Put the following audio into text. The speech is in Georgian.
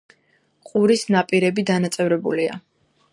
ყურის ნაპირები დანაწევრებულია.